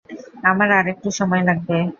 আমার আর একটু সময় লাগবে।